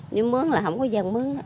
nếu mướn là không có dân mướn